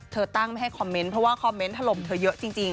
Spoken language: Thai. ตั้งไม่ให้คอมเมนต์เพราะว่าคอมเมนต์ถล่มเธอเยอะจริง